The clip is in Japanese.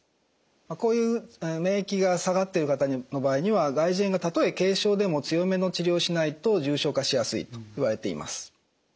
こういう免疫が下がっている方の場合には外耳炎がたとえ軽症でも強めの治療をしないと重症化しやすいといわれています。